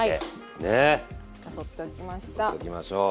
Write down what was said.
よそっておきましょう。